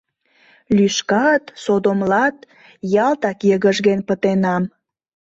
Лӱшкат, содомлат — ялтак йыгыжген пытенам.